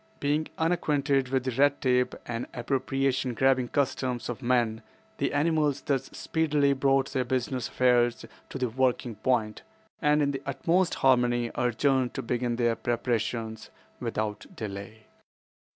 Being unacquainted with the red tape and appropriation grabbing customs of men, the animals thus speedily brought their business affairs to the working point, and in the utmost harmony adjourned to begin their preparations without delay.